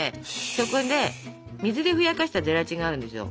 そこで水でふやかしたゼラチンがあるんですよ。